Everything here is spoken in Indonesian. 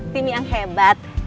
tim yang hebat